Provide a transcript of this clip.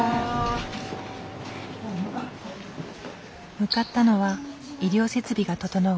向かったのは医療設備が整う